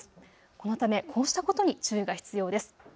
このためこうしたことに注意が必要です。